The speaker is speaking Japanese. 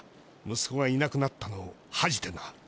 むすこがいなくなったのをはじてな。